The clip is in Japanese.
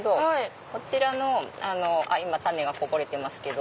こちらの今種がこぼれてますけど。